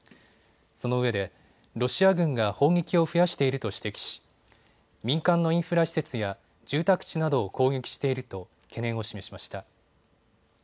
そのうえでロシア軍が砲撃を増やしていると指摘し、民間のインフラ施設や住宅地などを攻撃していると懸念を示しました。